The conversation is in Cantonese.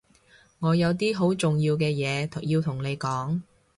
我有啲好重要嘅嘢要同你講